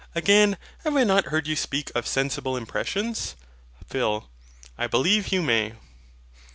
Again, have I not heard you speak of sensible impressions? PHIL. I believe you may.